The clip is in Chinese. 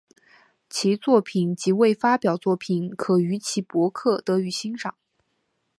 其作品及未发表作品可于其博客得于欣赏。